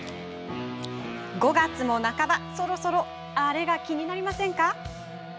５月も半ば、そろそろあれが気になりませんか？